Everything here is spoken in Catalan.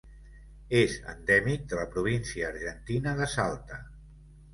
És endèmic de la província argentina de Salta.